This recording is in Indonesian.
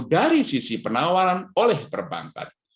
dari sisi penawaran oleh perbankan